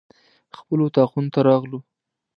خپلو اطاقونو ته راغلو.